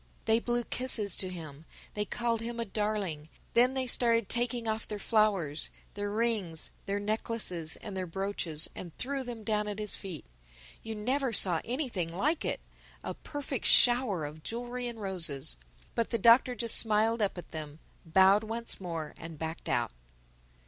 They blew kisses to him. They called him a darling. Then they started taking off their flowers, their rings, their necklaces, and their brooches and threw them down at his feet. You never saw anything like it—a perfect shower of jewelry and roses. But the Doctor just smiled up at them, bowed once more and backed out.